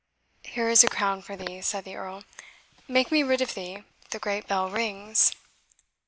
"Here is a crown for thee," said the Earl, "make me rid of thee the great bell rings."